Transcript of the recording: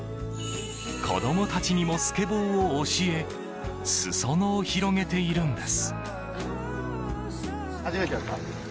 子供たちにもスケボーを教え裾野を広げているんです。